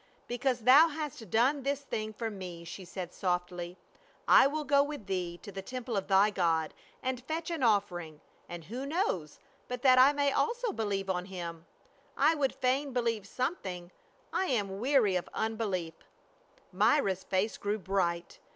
" Because thou hast done this thing for me," she said softly, " I will go with thee to the temple of thy God, and fetch an offering, and who knows but that I may also believe on him ; I would fain believe something — I am weaiy of unbelief" Myra's face grew bright.